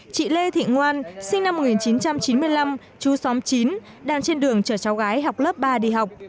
chị lê thị ngoan sinh năm một nghìn chín trăm chín mươi năm chú xóm chín đang trên đường chở cháu gái học lớp ba đi học